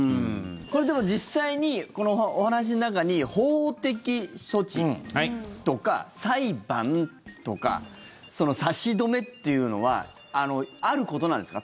これ、実際にこのお話の中に法的処置とか裁判とか差し止めっていうのはあることなんですか？